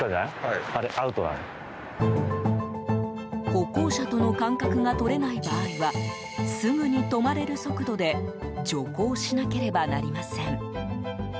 歩行者との間隔が取れない場合はすぐに止まれる速度で徐行しなければなりません。